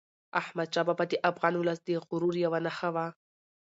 احمدشاه بابا د افغان ولس د غرور یوه نښه وه.